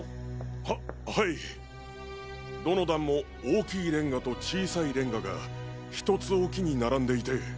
ははいどの段も大きいレンガと小さいレンガが１つおきに並んでいて。